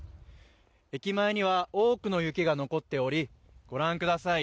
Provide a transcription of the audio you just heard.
駅前には多くの雪が残っておりご覧ください。